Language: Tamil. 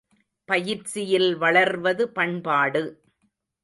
பயிற்சியில் வளர்வது பண்பாடு.